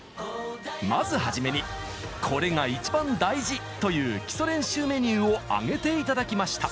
まずはじめに「コレが一番大事！」という基礎練習メニューを挙げて頂きました！